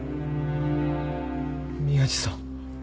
宮地さん。